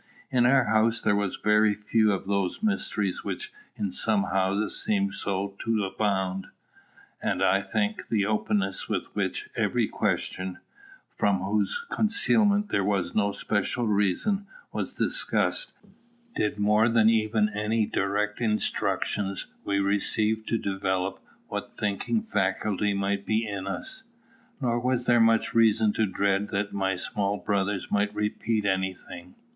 In our house there were very few of those mysteries which in some houses seem so to abound; and I think the openness with which every question, for whose concealment there was no special reason, was discussed, did more than even any direct instruction we received to develop what thinking faculty might be in us. Nor was there much reason to dread that my small brothers might repeat any thing.